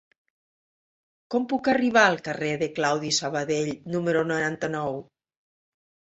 Com puc arribar al carrer de Claudi Sabadell número noranta-nou?